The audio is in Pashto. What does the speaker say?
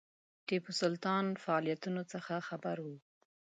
ټیپو سلطان فعالیتونو څخه خبر وو.